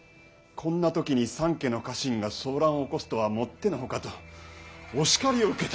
「こんな時に三家の家臣が騒乱を起こすとはもっての外」とお叱りを受けた。